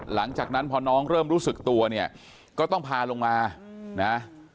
หลังจากนั้นพอน้องเริ่มรู้สึกตัวเนี่ยก็ต้องพาลงมานะ